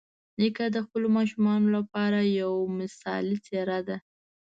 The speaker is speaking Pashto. نیکه د خپلو ماشومانو لپاره یوه مثالي څېره ده.